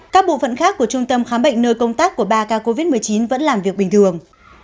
các bộ phận khác của trung tâm khám bệnh nơi công tác của ba ca covid một mươi chín vẫn làm việc bình thường